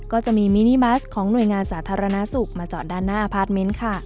ก็จะมีมินิมัสของหน่วยงานสาธารณสุขมาจอดด้านหน้าพาร์ทเมนต์ค่ะ